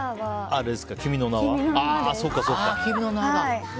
「君の名は。」だ！